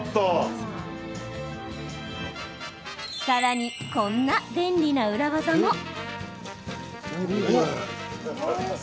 さらに、こんな便利な裏技も。